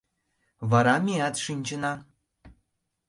Вара меат шинчына.